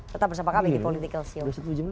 tetap bersama kami di politikalsio